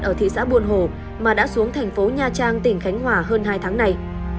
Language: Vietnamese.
đối tượng diễn đã không có mặt ở thị xã buồn hổ mà đã xuống thành phố nha trang tỉnh khánh hòa hơn hai tháng này